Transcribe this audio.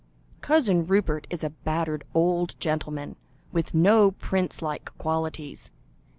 Cousin Rupert is a battered old gentleman, with no prince like qualities.